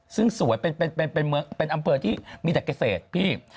ซึ่งสวยเป็นอำเภอที่มีแต่เกษตรพี่